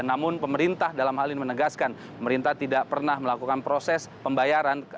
namun pemerintah dalam hal ini menegaskan pemerintah tidak pernah melakukan proses pembayaran